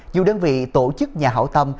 dù đơn vị tổ chức nhà hảo tâm